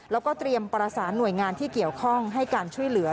แล้วก็เตรียมประสานหน่วยงานที่เกี่ยวข้องให้การช่วยเหลือ